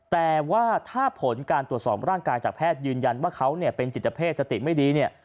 แต่ว่าถ้าผลการตรวจสอบร่างกายจากแพทย์ยืนยันว่าเขาเนี่ยเป็นจิตเพศสติไม่ดีเนี่ย